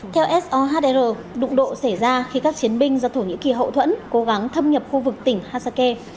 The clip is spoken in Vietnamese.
theo sohr đụng độ xảy ra khi các chiến binh do thổ nhĩ kỳ hậu thuẫn cố gắng thâm nhập khu vực tỉnh hasake